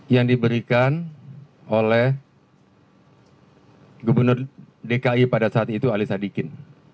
yang diberikan oleh gubernur dki pada saat itu ali sadikin